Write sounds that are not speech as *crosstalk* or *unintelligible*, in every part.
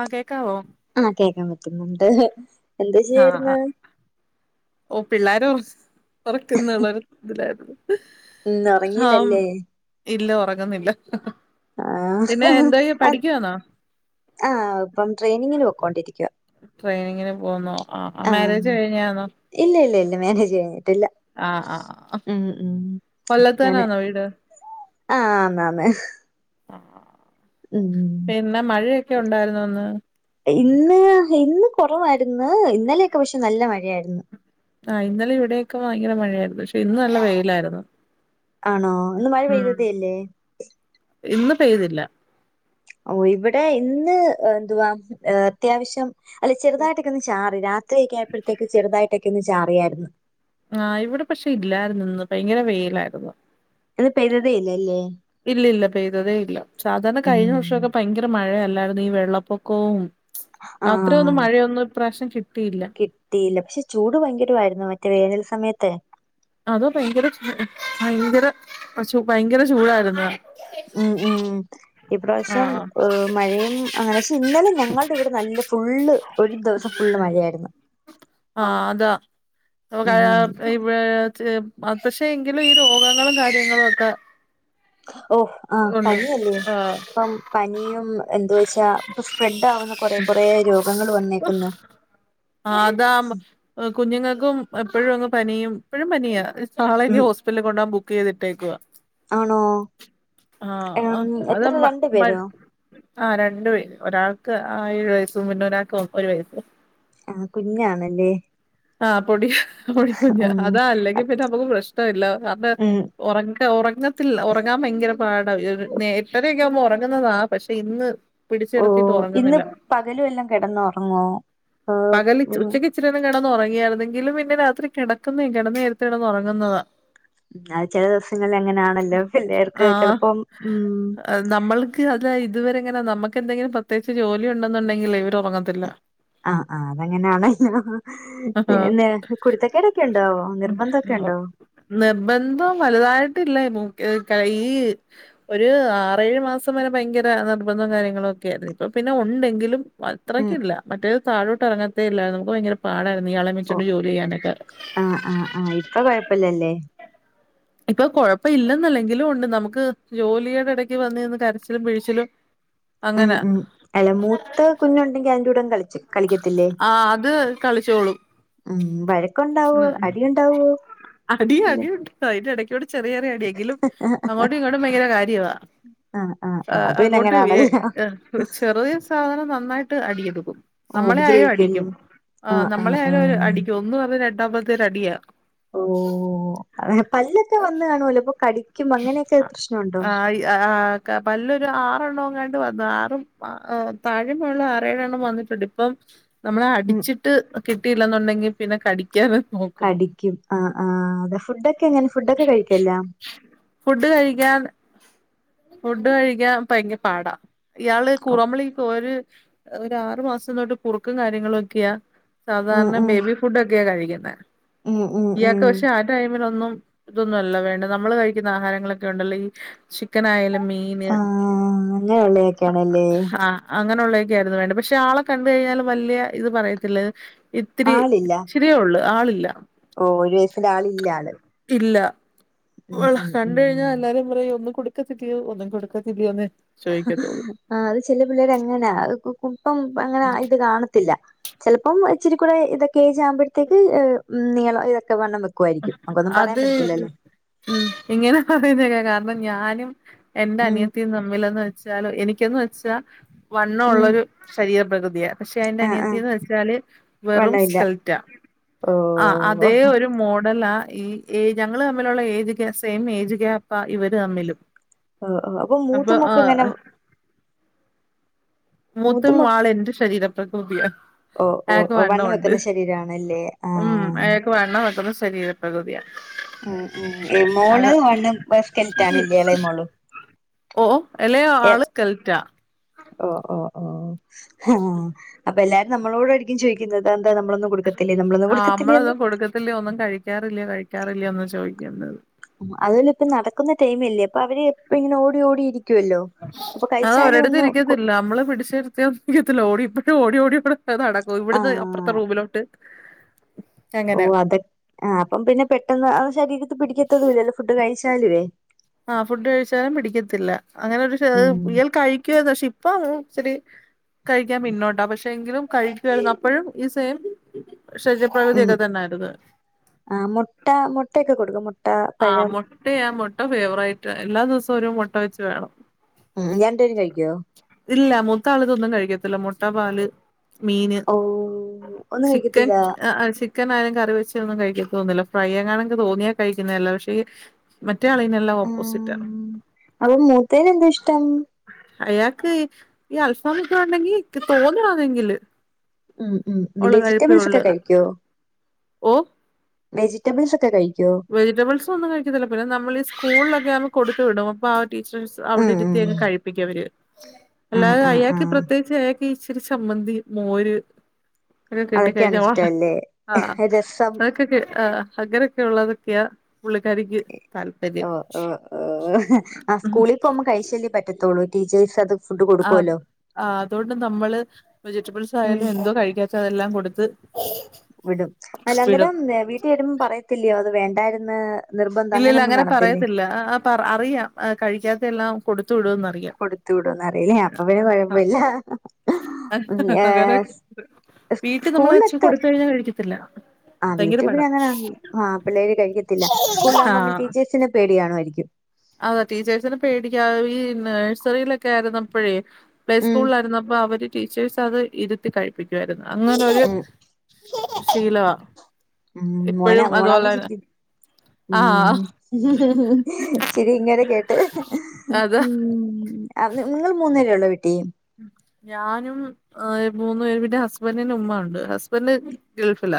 ആഹ് കേക്കാവോ ആഹ കേക്കാൻ പറ്റുന്നുണ്ട് എന്താ ആഹ് ചെയ്യായിരുന്നു ആഹ് ഓ പിള്ളേരു ഒറക്കുന്നള്ളരു ഇതിലായിരുന്നു ഉം ഒറങ്ങീലല്ലേ ആഹ് ഇല്ല ഒറങ്ങുന്നില്ല. പിന്നെ ആഹ് എന്തയ്യ പഠിക്കാന്നോ ആ ഇപ്പം ട്രെയിനിങ്ങിന് പോക്കോണ്ടിരിക്ക ട്രെയിനിങ്ങിന് പോവുന്നൊ ആഹ് ആഹ് മാരേജ് കഴിഞ്ഞാണോ ഇല്ല ഇല്ല ഇല്ല മാനേജ് കഴിഞ്ഞിട്ടില്ല ആഹ് ആഹ് ഉം ഉം ഞാന് കൊല്ലത്തെന്നേന്നോ വീട് ആഹ് ആന്ന് ആന്ന് ആഹ് പിന്നെ മഴയൊക്കെ ഉണ്ടായിര്ന്നു അന്ന് ഇന്ന് ഇന്ന് കൊറവായിരുന്നു. ഇന്നലെയൊക്കെ പക്ഷെ നല്ല മഴയായിരുന്നു ആഹ് ഇന്നലെ ഇവിടെയൊക്കെ ഭയങ്കര മഴയായിരുന്നു പക്ഷെ ഇന്ന് നല്ല വെയിലായിര്ന്നു ആണോ ഇന്ന് മഴത തെ ഇല്ലേ ഇന്ന് പെയ്തില്ല ഓ ഇവിടെ ഇന്ന് എന്തുവാ അത്യാവശ്യം അല്ലെ ചെറുതായിട്ടൊക്കെ ഒന്ന് ചാറി രാത് ത്രി ആയപ്പോഴേക്ക് ചെറുതായിട്ടൊക്കെ ഒന്ന് ചാറിയായി ര്ന്നു ആഹ് ഇവിടെ പക്ഷെ ഇല്ലായിര്ന്നു. ഇന്ന് ഭയങ്കര വെയിലായിര്ന്നു ഇന്ന് പെയ്തതെയില്ലലെ ഇല്ല ഇല്ല പെയ്തതേ ഇല്ല. സാധാരണ കഴിഞ്ഞ ഉം വർഷൊക്കെ ഭയങ്കര മഴയ അല്ലായിരുന്നു. ഈ വെള്ളപ്പൊക്കവും അത്രയൊന്നും ആഹ് മഴയൊന്നും ഇപ്രാവശ്യം കിട്ടിയില്ല കിട്ടിയില്ല പക്ഷെ ചൂട് ഭയങ്കര വായിയിരുന്നു മറ്റേ വേനൽ സമയത്ത് അതോ ഭയങ്കര ചൂ ഭയങ്കര ഭയങ്കര ചൂടായിരുന്നു ഉം ഉം ഇപ്രാവശ്യം ആഹ് മഴയും അങ്ങനെ പക്ഷെ ഇന്നെലും ഞങ്ങള്ടെ ഇവിടെ നല്ല ഫുള്ള് ഒരു ദെവസം ഫുള്ള് മഴയായിരുന്നു ആഹ് അതാ ഉം *unintelligible* *unintelligible* പക്ഷെ എങ്കിലും ഈ രോഗങ്ങളും കാര്യങ്ങളും ഒക്കെ ഓ ആഹ് ഉണ്ട് പനിയല്ലേ ആഹ് ഇപ്പം പനിയും എന്ത് വെച്ചാ ഇപ്പ സ്പ്രെഡ് ആവുന്ന കൊറേ കൊറേ രോഗങ്ങൾ വന്നേക്ക്ന്നു ആഹ് അതാ കുഞ്ഞുങ്ങൾക്കും എപ്പഴും അങ്ങ് പനിയും എപ്പഴും പനിയാ നാളെ ഇനി ഉം ഹോസ്പിറ്റല്കൊണ്ടോ ഹാൻ ബുക്ക് ചെയ്തിട്ടേക്ക്വാ ആണോ ആഹ് ഉം അഹ് അത് എത്ര *unintelligible* *unintelligible* *unintelligible* രണ്ടു മ്മ പേരോ ആ രണ്ടു പേര്. ഒരാൾക്ക് ആ ഏഴു വയസ്സും. പിന്നെ ഒരാൾക്ക് ഒരു വയസ് ആ കുഞ്ഞാണ്ല്ലേ ആഹ് പൊടി പൊടി കുഞ്ഞ അതാ അല്ലെങ്കി പിന്നെ നമ്മുക്ക് പ്രശ്ന ഇല്ല അത് ഉം ഒറങ്ങ് ല്ല ഒറങ്ങത്തില്ല. ഒറങ്ങാൻ ഭയങ്കര പാട എട്ടരേയൊക്കെ ആകുമ്പോ ഒറങ്ങുന്നതാ പക്ഷെ ഇന്ന് പിടിച്ചെടുത്തിട്ട് ഓഹ് ഇന്ന് ഒറങ്ങുന്നില്ല. പകലും എല്ലാം കിടന്നുറങ്ങോ ഏഹ് പകലച്ച് ഉം ഉച്ചക്ക് ഇച്ചിരി കിടന്നുറങ്ങിയായിരുന്നെങ്കിൽ പിന്നെ രാത്രി കെടക്കുന്ന കിടന്നയേരത്ത് കെടന്ന ഉറങ്ങുന്നതാ ഉം അത് ചെല ദെവസങ്ങളിൽ അങ്ങനെയാണല്ലോ. പിള്ളേർക്ക് ആഹ് ചെലപ്പം നമ്മൾക്ക് അത് ഇതുവരെ എങ്ങനെ നമ്മൾക്ക് അതാ ഇതുവരെ ഇങ്ങനെ നമ്മുക്കെന്ത ങ്കിലു പ്രത്യേകിച്ച് ജോലി ഉണ്ടെന്നുണ്ടെങ്കിലെ ഇവർ ഒറങ്ങത്തില്ല. അഹ് ആഹ് അതങ്ങനെയാണ *unintelligible* ല്ലോ ആഹ് പിന്നെ കുരുത്തെകെടോക്കെ ഉണ്ടോ ഉം നിർബന്ധം ഒക്കെ ഉണ്ടോ നിർബന്ധം വലുതായിട്ടില്ല *unintelligible* കയ്യ് ഒരു ആറേഴ് മാസം വരെ ഭയങ്കര നിർബന്ധം കാര്യങ്ങളും ഒക്കെ ആയിരുന്നു. ഇപ്പപിന്നെ ഉണ്ടെങ്കിലും ഉം അത്രക്കില്ല മറ്റെത് താഴോട്ട് എറങ്ങത്തേ ഇല്ലായിര്ന്നു. നമുക്ക് ഭയങ്കരം പാടായ്രുന്നു ഇയാളെ വിച്ചുണ്ട് ജോലി ചെയ്യാനൊക്കെ അഹ് ആഹ് ആഹ് ഇപ്പ കൊഴപ്പല്ലല്ലേ ഇപ്പോ കൊഴപ്പ ഇല്ലെന്നല്ലെങ്കിലും ഉണ്ട്. നമുക്ക് ജോലിയുടെ എടക്ക് വന്ന് കരച്ചിലും പിഴിച്ചിലും ഉം അങ്ങനെ ഉം അല്ല മൂത്ത് കുഞ്ഞുണ്ടെങ്കി അയ്ന്റെ കൂടെങ് കളിക്കും ആ അത് കളിച്ചോളും ഉം വഴക്കുണ്ടാവോ ഉം അടി ഉണ്ടാവോ അടി അടിയുണ്ട് അയ്ന്റെ എടക്കവടെ ചെറ്യെ ചെറ്യേ എങ്കിലും ആഹ് അങ്ങോട്ടും ഇങ്ങോട്ടും ഭയങ്കര കാര്യവ ആഹ് ആഹ് അത് പിന്നെ അഅങ്ങോട്ട് എ അങ്ങനാണല്ലോ എക് ഒര്ചെറിയ സാധനം നന്നായിട്ട് അടിയിടും. നമ്മളെ ആയാലും ഉപദ്രവിക്കുവല്ലേ അടിക്കും ആ ആഹ് ആഹ് നമ്മളെ ആയാലും ആഹ് അടിക്കും ഒന്നുപറഞ രണ്ടാ മത്തേല്അടിയാ. ഓ അതെപല്ലൊക്കെ വന്ന് കാണോലൊ ഇപ്പോ കടി ആയീ ആആ.. ക പല്ലൊരു ആറെ എണ്ണോങ്ങാണ്ട് വന്നു ആറും താഴെ പോലുള്ള ആറേഏഴെണ്ണം വന്നിട്ടുണ്ട് ഇപ്പം നമ്മള ഉം അടിച്ചിട്ട് കിട്ടിയില്ലെന്നൊണ്ടെങ്കിൽ പിന്നെ കടിക്കാനെ നോ കടിക്കും ആഹ് ആ അ ഫുഡൊക്കെ എങ്ങനെ ഫുഡൊക്കെ കഴിക്കല്ലോ? ഫുഡ് കഴിക്കാൻ ഫുഡ് കഴിക്കാൻ ഭയങ്കര പാടാ. ഇയാള് കുറമ്പളി കൊര് ഒരആറു മാസം തൊട്ട് കുറുക്കും കാര്യങ്ങളും ഒക്കെയാ. ഉം സാധാരണ ഉം ബേബി ഫുഡൊക്കെയ കഴിക്കുന്നേ ഉം ഉം ഉം ഇയാക്ക്പക്ഷെ അ ടൈമിനൊന്നും ഇതൊന്നുല്ല വേണ്ട നമ്മള് കഴിക്കുന്ന ആഹാരങ്ങളൊക്കെ ഉണ്ടല്ലോ ഈ ചിക്കൻ ആയാലും മീ ആഹ് ഹ് അങ്ങനൊളളയൊക്കെയാണല്ലേ? അങ്ങനെയുള്ളതൊക്കെയായിരുന്നു വേണ്ടത് പക്ഷെ ആളെ കണ്ട് കഴിഞ്ഞാൽ വലിയ ഇത് പറയത്തില്ല ഇത്തിരി ഇത്തിരിയേ ഉള്ളൂ ആളില്ല. ഓഹ് ഒരു ൾവയസിന്റെ ആളില്ലാള്. ഇല്ല വളേ കണ്ട് ഉം കഴിഞ്ഞാ എല്ലാരും പറയ ഒന്നും കൊടുക്കത്തില്ലയോ ഒന്നും കൊടുക്കത്തില്ലയോന്ന്? ഹഹ്അത് ചെലപിള്ളേര് അങ്ങനാ കുപ്പം അങ്ങനെ ഇത് കാണത്തില്ല. ചിലപ്പം ഇച്ചിരി കൂടെ ഇതൊക്കെ ഏജ കുമ്പഴത്തേക്ക് നീളം ഇതൊക്കെ വണ്ണം വെക്കും. അത്. ഉം ഇങ്ങനെ പറയുന്നേക കാരണം ഞാനും എന്റെ ഉം അനിയത്തിയും തമ്മിലെന്ന് വ വെച്ചുലൊ എനിക്കന്ന് വെച്ചാ വണ്ണം ഉം ള്ളരു ശരീര പ്രകൃതിയ. പക്ഷെ അന്റെ ആഹ് ആഹ് അനിയത്തിന്ന് വെച്ചാല് വെറും വണ്ണമില്ല സ്കെൽറ്റ ഓ ആഹ് അതേ ഒരു മോഡല ഈ എ ഞങ്ങള് തമ്മിലുള്ള ഏജ് സെയിം ഏജ് ഗയാപ്പാ ഇവര് തമ്മിലും. ഓഹ് ഒ അപ്പൊ മൂത്ത മൊക്ക ഇങ്ങനെ. മൂത്ത മ്വാളന്റെ ശരീര പ്രകൃതിയ. ഓ ഓ അയാക്ക് ഓ വണ്ണം ഒണ്ട് വെക്കുന്ന ശരീരാണല്ലേ ആഹ് ഉംഅയക്ക് വണ്ണം വെക്കുന്ന ശരീര പ്രകൃതിയ ഉം ഉം മോള് വണ്ണംബസ് കെലിറ്റണ ഇല്ലേ ഇളേ മോള് - ഓഹ് ഒ എളയാ ള് സ്കെൽറ്റ. ഓ ഓ ഓ.. ഹാഅപ്പൊ എല്ലാരും നമ്മളോട ആയിരിക്കും ചോദയിക്കുന്നത് എന്താ നമ്മളൊന്നും കൊടുക്കത്തില്ലേ നമ്മളൊന്നും കൊടുക്കത്തില്ലേന്ന്? ല്ല്യഒന്നും കഴിക്കാറില്ല കഴിക്കാറില്ലോന്ന് ചോദിക്ക്ണ്ടത്. അവല് ഇപ്പ നടക്കുന്ന ടൈംല്ലേ അപ്പൊ അവര് ഇപ്പ ഇങ്ങനെ ഓടി ഓടിയിരിക്കുവല്ലോ? ആഹ് ഒരടുത്ത് ഇരിക്കത്തില്ല നമ്മള് പിടിച്ചിരിത്തിയരിക്കത്തില്ല ഓടി ഓടി ഓടിപ് അത്ടക്കു ഇവിടുന്ന് അപ്പുറത്തെ ആഹ് റൂമിലോട്ട് ഓ അങ്ങനെ അതക്ക്ആ അപ്പം പിന്നെ പെട്ടെന്ന് ശരീരത്തി പിടിക്കത്തതുംല്ലല്ലോ ഫുഡ് കഴിച്ചാലുവേ. ആഹ് ഫുഡ് കഴിച്ചാലും പിടിക്കത്തില്ല അങ്ങനെരു ഉം ശഇയൽ കഴിക്കുവ പക്ഷെ ഇപ്പൊരി ഇചിരി കഴിക്കാൻ പിന്നോട്ടാ പക്ഷെ എങ്കിലും കഴിക്കുവായിരുന്നുഅപ്പോഴും ഈ സെയിം ശരീ ഉം പ്രകൃതിയൊക്കെ തന്നെയായിരുന്ന്. ആഹ് മൊട്ട മൊട്ടയൊക്കെ കൊടുക്കും. പഴം ആമൊട്ടയാ മൊട്ട ഫേവറേറ്റ് എല്ലാ ദിവസവും ഒരു മൊട്ട വെച്ച് വേണം. ഉം രണ്ടേരുംകഴിക്കോ? ല്ല മൂത്ത ആള്തൊന്നും കഴിക്കത്തില്ല മൊട്ട പാല് - മീന് ഓ ഒന്നും ചിക്കൻ കഴിക്കത്തില്ല ആ അ ചിക് ക്കൻ ആയാലും കറി വെച്ചൊന്നും കഴിക്കതൊന്നില്ല ഫ്രൈ അങ്ങാ തോന്നിയാ കഴിക്കുന്നതല്ല പക്ഷെഈ മറ്റേആള് ഇങ്ങെന ല്ലാം ഓപോസിറ്റ്ആണ്. ആഹ് അപ്പൊ മൂത്തേന് എന്താ ഇഷ്ടം അയാക്ക് ഈ അൽഫമ് ക്കെഒണ്ടെങ്കി തോന്നണണെങ്കില് ഉം ഉം വെജിറ്റബിൾസൊക്കെ കഴിക്കോ?. ഓ വെജിറ്റബിൾസൊക്കെ കഴിക്കുവോ വെജിറ്റബിൾസൊന്നും കഴിക്കത്തില്ല പിന്നെ നമ്മള് ഈ സ്കൂളൊക്കെ ആവുമ്പോ കൊടുത്ത് വിടും അപ്പോ ആ ടീചേർസ് ഉം ഉം അവിടെരുത്തിങ്ങ് കഴിപ്പിക്കവര് ആഹ് അല്ലാതെ ആഹ് അയാക്ക് ആഹ് പ്രത്യേ ചെലെ ക്കീചെര് ച്ചമ്മന്തി, മോര് ര് കിട്ടി അതൊക്കെയാണ് കഴിഞ്ഞ ഒറ ഇഷ്ടല്ലേ ആഹ് രസം അതൊക്കെ ആഹ് അങ്ങനെ ക്കെള്ളതൊക്യാ ഒഹ് ഒഹ് ഓഹ് ആഹ് ഉം സ്കൂളിപ്പൊവുമ്പൊ കഴിച്ചല്ലേ പ റ്റത്തുള്ളൂ ട്ടിച്ചേഴ്സ് അത് ഫുഡ് അത് കൊടുക്കുവല്ലോ ആഹ് അതോണ്ട് നമ്മള് വെജിറ്റബിൾസ് ഉം ആയാലും എന്തോ കഴിക്കാത്തെ അതെല്ലാം കൊടുത്ത് വിടും അല്ലാ വിടും അന്നരം വീട്ടിൽ വരുമ്പോം പറയത്തില്ല്യോ അത് വേണ്ടാര്ന്ന് ഇല്ലില്ല അങ്ങനെ പറയത്തില്ല അറിയാം കഴിക്കാത്തെല്ലാം കൊടുത്തു വിടൂന്ന് *unintelligible* കൊടുത്തു വിടോന്ന് അറിയില്ലേ അപ്പൊ പിന്നെ യ്യാം കൊഴപ്പമില്ല ഉം ഏഹ് *unintelligible* വീട്ടി നമ്മള് ച് സ്കൂളിലെത്ത കൊടുത്ഴിഞ്ഞാൽ കഴിക്കത്തില്ല. ആഹ് ഭയങ്കര വീട്ടിൽ പാടാ പിന്നെങ്ങനാണല്ലോ ആഹ് പിള്ളേര് കഴിക്കത്തില്ല സ്കൂളിലാവുമ്പൊ പിൻ ട്ടീച്ചേഴ്സിനെ പേടിയാണുയിരിക്കും.. അതെ ടീച്ചേഴ്സിനെ പേടിക്കാതെ ഈ നഴ്റിയിലൊക്കെ ആരുന്നപ്പോഴേ പ്ലേ ഉം സ്കൂളാര്ന്നപ്പൊ അവര് ടീച്ചേഴ്സ് അത് ഇരുത്തി കഴിപ്പിക്കുവായിരുന്നു അങ്ങനൊരു ഉം ശീലവാ. മ്മ് മോന ഇപ്പഴും മോളാണോ അതുപോലെ തന്നെ ചിരികിന്ന് ആഹ് മ്മ് ച്ചി ഇങ്ങെരെ കേട്ട്. അതാ ഉം അ നി നിങ്ങൾ മൂന്നേരുള്ളോ വീട്ടീ ഉം ഞാനും അഹ്‌ മൂന്നു പേര് പിന്നെ ഹസ്ബണ്ടിന്റെ ഉമ്മാ ഉണ്ട് ഹസ്ബഡ് ഗൾഫില.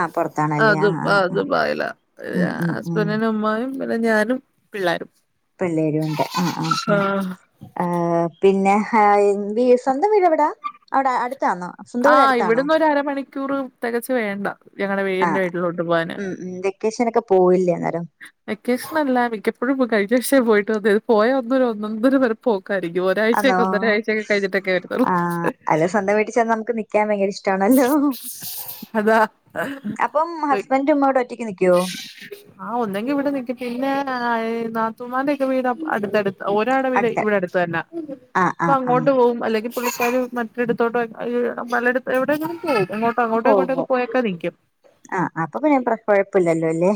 ആഹ് പുറത്താണല്ലേ ആഹ് അത്പ്പ ആഹ് ആഹ് അതുംപായില ഉം ഉം ഉം ഹസ്ബന്റിന്റെ ഉമ്മാ യും വടെ ഞാനും പിള്ളാരും. പിള്ളേരുവുണ്ട് ആഹ് ആഹ് ആഹ് അഹ് പിന്നെ ഹ യിൻവി സ്വന്തംവീടെ വിടാ അവിടെ അടുത്താന്നോ സ്വന്തം വീട് ആഹ് അടുത്താണോ ഇവിടന്നൊരു അരമണിക്കൂർ തെകച് വേണ്ട. ഞങ്ങടെ വീ എന്റെ അഹ്‌ വീട്ടിലോട്ട് പോവാന് ഉം ഉം വെക്കേഷനൊക്കെ പോവില്ലേ അന്നേരം. വെക്കേഷനല്ല മിക്കപ്പോഴും കഴിഞാഴ്ഛേപോയിട്ട് വന്നേത് പോയാ അന്നൊര് ഒന്നൊന്നര പോക്കാരിക്കും ആന്നോ ഒരാഴ്ചയൊക്കെ ഒന്നരാഴ്ചയൊക്കെ കഴിഞ്ഞിട്ടൊക്കെ വരത്തൊള്ളൂ ക്കാൻ ഭയങ്കര ഇഷ്ടാണല്ലോ അപ്പം അതാ ഹസ്ബണ്ട് മ്മടെ ഒറ്റക്ക് നിക്യോ. ആഹ് ഒന്നെങ്കി ഇവിടെ നിക്കും പിന്നെ ഈ നാത്തുമാര്ടെ ഒക്കെ വീട് അടുത്തടു ഒരാടെ വീടെയ് അടുത്ത് ഇവിടെടുത്തന്നെ. ആഹ് ആഹ് ആഹ് പ്പഅങ്ങോട്ട്‌ പോവും അല്ലെങ്കി പുള്ളിക്കാര് മറ്റിടത്തോട്ടോ അഹ് പലടത്ത് എവിടെങ്കിലും പോവു എങ്ങോട്ടോ അങ്ങോട്ടോ പോകുമ്പോ ഇങ്ങോട്ടൊക്കെ പോയൊക്കെ നിക്കും. ആഹ് അപ്പൊപ്പിന്നെ പ്ര കൊഴപ്പല്ലല്ലോല്ലേ.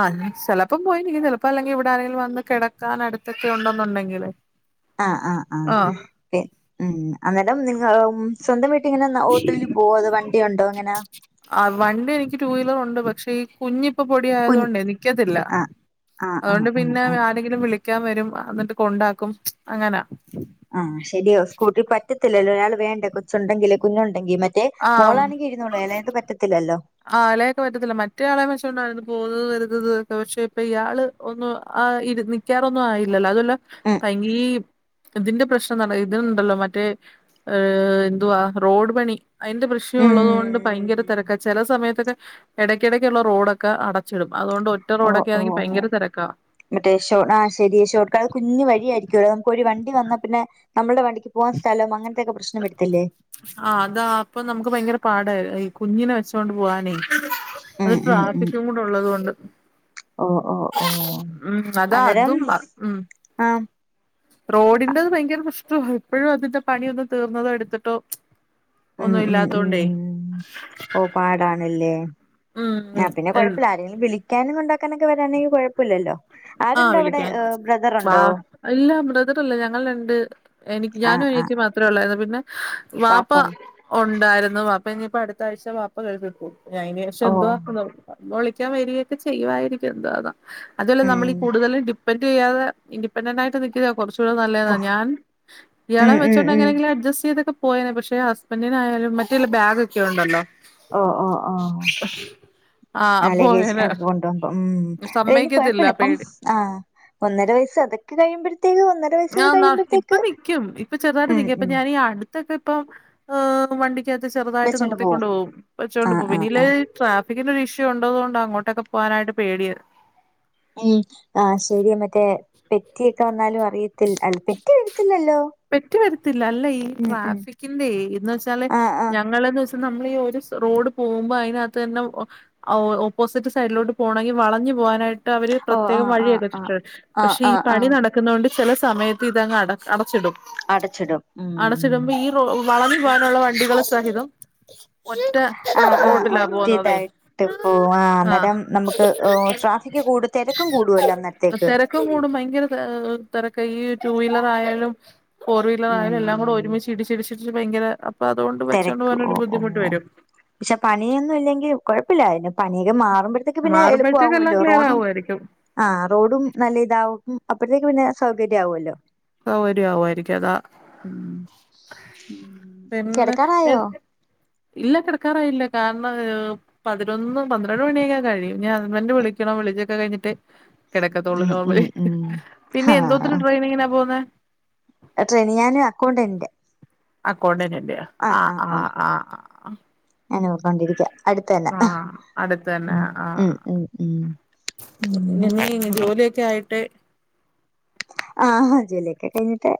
ആഹ് ഷെലപ്പോം പോയിരികും ചെലപ്പോ അല്ലെങ്കിൽ ഇവിടാരെങ്കിലും വന്ന് കെടക്കാൻ അടുത്തൊക്കെണ്ടെ ന്നുണ്ടെങ്കില് *inaudible* ആഹ് ആഹ് പി ഉം. അന്നേരം നിങ്ങളു സ്വന്തംവീട്ടിങ്ങനെ ഓട്ടോയിൽ പോവോ വണ്ടിയുണ്ടോ ങ്ങെനാ ആഹ് വണ്ടി എനിക്ക് ടു വീലറുണ്ട് പക്ഷെ ഈ കുഞ്ഞിപ്പൊ പൊടി കുൻ ആയതോണ്ടേ നിക്കത്തില്ല. ആഹ് ആഹ് ആഹ് അതോണ്ട് ആഹ് പിന്നെ ആഹ് ആരെങ്കിലും വിളി ക്കാൻവരും എന്നിട്ട് കൊണ്ടാക്കും അങ്ങനാ. ആഹ് ശരിയ സ്കൂട്ടിൽ പറ്റത്തില്ലല്ലോ ഒരാൾ വേണ്ടെ കൊച്ചുണ്ടെങ്കില് കുഞ്ഞുണ്ടെങ്കില് മറ്റേ മോളാണെങ്കി ഇരു *unintelligible* യിട്ട് പറ്റത്തില്ലല്ലോ. ആളെയൊക്കെ പറ്റത്തില്ല മറ്റേ ആളെ വെച്ചോണ്ടാരുന്നു പോണത് വരുന്നത്ക്കെ പഷെ ഇപ്പൊ ഇയാള് ഒന്നും ആയിരി ഇ നിക്കാറൊന്നും ആയില്ലല്ലോ അതോല്ല ഉം കഴിഞ്ഞില്ലീ തിന്റെ പ്രശ് ഇതിനുണ്ടല്ലോ മറ്റേ ഏഹ് എന്തുവാ റോഡ് പണി അയിന്റെ പ്രശ്നം ഉം ഉള്ളതോണ്ട് ഭയങ്കര തെരക്ക ചെലസമയത്തൊക്കെ എടയ്കെടകുള്ള റോഡൊക്കെ അട ചിടും അതൊണ്ട് ഓഹ് ഒറ്ററോഡൊക്കെ ണെങ്കി ഓഹ് ഓഹ് ഭയങ്കരതെരക്കാ. മറ്റേ ഷൊ ആഹ് ശരി ഷോർക്കാ കുഞ്ഞു വഴിയയിരിക്കുമല്ലോ നമുക്ക് ഒരുരു വണ്ടി വന്നാ പിന്നെ നമ്മുടെ വണ്ടിക്ക് പോവാൻ സ്ഥലം അങ്ങനെത്തൊക്കെ പ്രശ്നം വരത്തില്ലേ? ആഹ് അതാ അപ്പൊ നമുക്ക് ഭയങ്കര പാടായി കുഞ്ഞിനെ വെച്ചോണ്ട് പോവാനേ. ഉം അത് ഉം ഉം ട്രാഫിക് കൂടെ ഉള്ളതുകൊണ്ട്. ഓ ഓ ഓ ഉം അതാ അന്നേരം അതും വാ ഉം ആ റോഡിന്റെത് ഭയങ്കര പ്രശ്ന ഇപ്പോഴും അതിന്റെ പണി ഒന്ന് തീർന്നതോ എടുത്തിട്ടോ ഉം ഒന്നും ഉം ഉം ഇല്ലത്തോണ്ടേ ഓ പാടാണല്ലേ ഉം ആഹ് പിന്നെ കൊഴപ്പില്ല ആരെങ്കിലും വിളി വിളിക്കാനും കൊണ്ടാക്കാനൊക്കെ വരാനെങ്കിൽ കുഴപ്പമില്ലല്ലോ ആഹ് ആരുണ്ട് അവിടെ വിളിക്കാൻ ആ വാ ഇല്ല ബ്രദറില്ല ഞങ്ങൾ രണ്ട് എനിക്ക് ആ ഞാനും ആ അനിയത്തിയും മാത്ര മാത്രയുള്ളായിരുന്നു പിന്നെ വാപ്പ പാപ്പ ഉണ്ടായിരുന്നു വാപ്പ ഇനിയിപ്പോ അടുത്ത ആഴ്ച വാപ്പ ഗൾഫിൽ പോകും അതിന് ശേഷം ഓ എന്താക്കുന്ന മാ വിളിക്കാൻ വരികയൊക്കെ ചെയ്യ് വാരിക്കും എന്തുവാന്ന അതോല്ലെ ഉം നമ്മളീ ടിപെൻ്റ് ചെയ്യാതെ ഇൻഡിപ്പെൻ്റെൻ്റ് ആയി നി താ കുറച്ചുകൂടെ ഓ നല്ലതാ ഞാൻ ഉം ഇയാളെം ഉം ഉം വെച്ചോങ്ങനെങ്കിലും അഡ്ജസ്റ്റ് ചെയ്തൊക്കെ പോയനെ പക്ഷെ ഹസ്ബന്റഡിനായാലും മറ്റേല്ല ബാഗ് ഒക്കെണ്ടല്ലോ ഓ ഓ ഓ ആഹ് അലകേഷ് അപ്പോയനെ അവിടക്ക് കൊണ്ടോകുമ്പോ ഉം അതിന് സമ്മയ്ക്കത്തില്ല കൊഴപ്പല്ല പ്പം പേടി ആഹ് ഒന്നര വയസ്സ് അതൊക്കെ കഴിയുമ്പോഴത്തേക്കും ഒന്നര വയസ്സൊക്കെ ആഹ് ന ഇപ്പൊ കഴിയുമ്പോഴത്തേക്ക് നിക്കും ഇപ്പൊ ചെറുതായിട്ട് ഉം നിക്കും അപ്പൊ ഉം ഞാനീ അടുത്തൊക്കെ ഇപ്പൊ വണ്ടിക്ക് തിനത്ത് ചെറുതായിട്ട് വെച്ചോണ്ട് പോവും നിർത്തിക്കൊണ്ട് പോകും ആ വച്ചോണ്ട് പോകും ആ ആ പിന്നില് ട്രാഫിക്കിന്റെ ഒരു ഇഷ്യൂ ഉണ്ടെത് കൊണ്ട് അങ്ങോട്ടൊക്കെ പോവാനായി പേടിയാ ഉം ആഹ് ശരിയ മറ്റേ പെറ്റിയൊക്കെ വന്നാലും അറിയത്തില്ല അല്ല പെറ്റി വരത്തില്ലല്ലോ? പെറ്റി വരത്തില്ല അല്ല ഈ ഉം ഉം ട്രാഫിക്കിന്റെ എന്ന് വെച്ചാല് ആ ആ ഞങ്ങളെന്ന് വച്ചാല് നമ്മൾ ഈ ഒരു റോഡ് പോകുമ്പോ അതിനകത്തു തന്നെ വാ ഓപ്പോസിറ്റ് സൈഡിലോട്ട് പോകണമെങ്കിൽ വളഞ്ഞു പോകാനായിട്ട് ട്ട് അവര് ഓ ആ പ്രത്യേകം ആ ആ വഴിയൊക്കെച്ചിട്ടിണ്ട് ആ പക്ഷെ ആ ഈ ആ പണി നട നടക്കുന്നുകൊണ്ട് ചില സമയത്ത് ഇതാങ്ങ് അട അടച്ചിട്ടും. അടച്ചിടും ഉം വളഞ്ഞു പോകാനുള്ള വണ്ടികൾ സഹിതം ഒറ്റ ആഹ് ആഹ് റോഡിലാ ഒറ്റ പോകുന്നതേ ഇതായി ട്ട് പ്പോവാ ആ ആഹ് അന്നേരം നമുക്ക് ട്രാഫിക്ക് കൂടും തെരക്കും കൂടുവല്ലോ അന്നേര്ത്തേക്ക് തിരക്ക് കൂടും ഭയങ്കര താ തിരക്ക് ഈ ടുവീലർ ആയാലും ഫോർവീലർ ആയാലും എല്ലാം കൂടെ ഉം ഒരുമിച്ച് ടിച്ചിടിച്ചിട്ട് ഭയര അപ്പൊ അതുകൊണ്ട് വച്ചുകോണ്ട് തിരക്ക് പോകാന ഓ ഒരുരു ഓ ബുദ്ധിമുട്ട് ഓ വരും പക്ഷെ പണിയൊന്നും ഇല്ലെങ്കിൽ കുഴപ്പില്ല ന്നെ പണിയൊക്കെ മാറുമ്പോഴ് തൊക്കെ പിന്നെ മാറുമ്പോഴത്തേക്ക് എല്ലാം എളുപ്പമാവല്ലോ ക്ലിയർ റോഡും ആവുമായിരിക്കും ആഹ് റോഡും നല്ല ഇതാവും അപ്പോഴത്തേക്കും പിന്നെ സൗകര്യ ആവുല്ലോ. സൗകര്യ ആവുമായിരിക്കും അതാ ഉം ഉം പിന്നെ എ കിടക്കാറായോ ഇല്ല കിടക്കാറയില്ല കാരണം പതിനൊന്ന് പന്ത്രണ്ട് മണിയൊക്കാ കഴിയും ഞാൻ ഹസ്ബന്റ് വിളിക്കണം വിളിച്ചൊക്കെ കഴിഞ്ഞിട്ട് കിടക്കത്തോള്ളൂ ഉം ഉം നോർമലി ഉം പിന്നെ ആ എന്തോത്തി ട്രെയിനിങ്ങിനാ പോകുന്ന് ട്രെയിനിങ് ഞാൻ അക്കൗണ്ടന്റിന്റെ അക്കൗണ്ടന്റിയോ ആഹ് ആഹ് ആഹ് ആഹ് ഞാനെക്കൊണ്ടിരിക്ക അടത്ത് തന്നെ ആഹ് അടുത്ത് തന്നെ ഉം ഉം ഉം ഉം ഇനി നീ ജോലിയൊക്കെ ആയിട്ടെ ആഹ് ജോലിയൊക്കെ കഴിഞ്ഞിട്ടെ